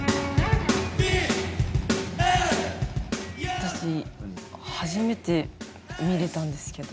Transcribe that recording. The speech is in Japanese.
私初めて見れたんですけど。